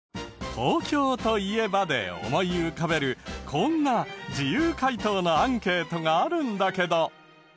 「東京といえば」で思い浮かべるこんな自由回答のアンケートがあるんだけど。